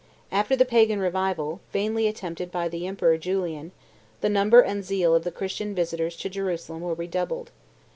After the Pagan revival, vainly attempted by the Emperor Julian, the number and zeal of the Christian visitors to Jerusalem were redoubled.